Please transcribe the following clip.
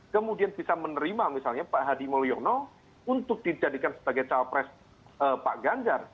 kemudian bisa menerima misalnya pak hadi mulyono untuk dijadikan sebagai cawapres pak ganjar